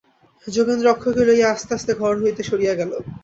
যোগেন্দ্র অক্ষয়কে লইয়া আস্তে আস্তে ঘর হইতে সরিয়া গেল।